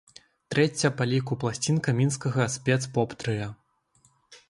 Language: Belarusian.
Трэцяя па ліку пласцінка мінскага спец-поп-трыа.